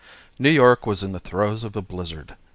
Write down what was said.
New York was in the throes of a blizzard.